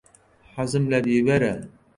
حەزم لە بیبەرە.